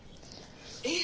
えっ？